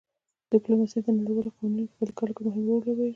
ډیپلوماسي د نړیوالو قوانینو په پلي کولو کې مهم رول لوبوي